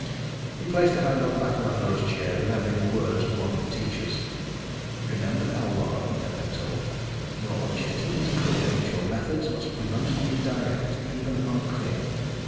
He placed a hand on the back of Andorra's chair, remembering the words of one of the teachers. _"Remember, Elwar," he had been told, "your objective is clear, but your methods must be most indirect even unclear.